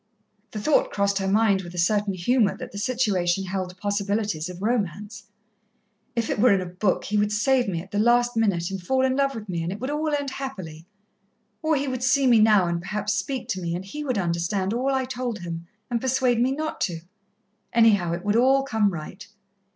The thought crossed her mind, with a certain humour, that the situation held possibilities of romance. "If it were in a book, he would save me at the last minute and fall in love with me and it would all end happily. Or he would see me now, and perhaps speak to me, and he would understand all I told him, and persuade me not to. Anyhow, it would all come right."